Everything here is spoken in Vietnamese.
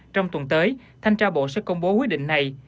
trong tuần tới thanh tra bộ sẽ công bố quyết định này